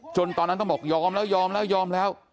ตอนนั้นต้องบอกยอมแล้วยอมแล้วยอมแล้ว